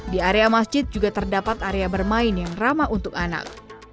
di area masjid juga terdapat area bermain yang ramah untuk anak